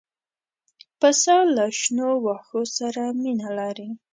پسه له شنو واښو سره مینه لري.